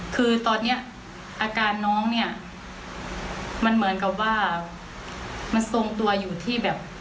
คือตอนนี้อาการน้องเนี่ยมันเหมือนกับว่ามันทรงตัวอยู่ที่แบบ